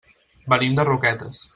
Venim de Roquetes.